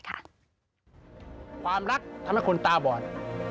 ความรักทำให้คนตาบอด